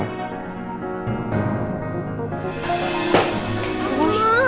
apa kamu benci papa